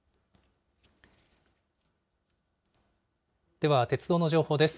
では鉄道の情報です。